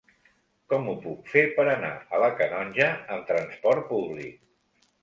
Com ho puc fer per anar a la Canonja amb trasport públic?